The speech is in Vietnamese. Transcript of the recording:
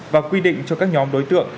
và quy định cho các nhóm đối tượng